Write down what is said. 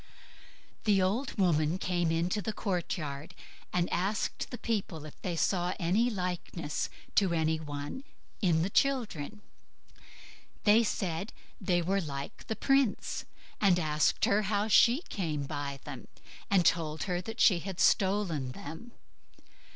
The old woman came into the courtyard, and asked the people if they saw any likeness to any one in the children. They said, "they were like the prince", and asked her how she came by them, and told her she had stolen them.